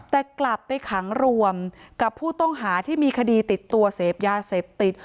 แต่กลับไปขังรวมกับผู้ต้องหาที่มีคดีติดตัวเสพยาเสพติด